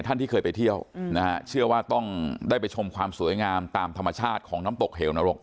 ท่านที่เคยไปเที่ยวนะฮะเชื่อว่าต้องได้ไปชมความสวยงามตามธรรมชาติของน้ำตกเหวนรก